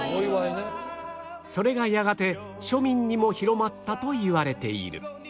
それがやがて庶民にも広まったといわれている